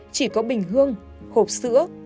chỉ có bình hương hộp sữa